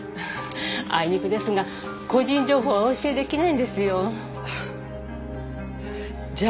あいにくですが個人情報はお教えできないんですよじゃ